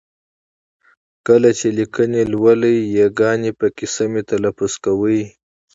کله چې لیکني لولئ ی ګاني پکې سمې تلفظ کوئ!